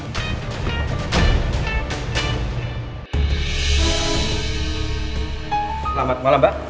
selamat malam mbak